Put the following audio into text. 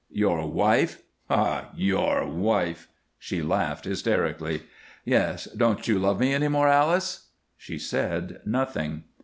"Your wife? Ha! ha! Your wife!" She laughed hysterically. "Yes. Don't you love me any more, Alice?" She said nothing.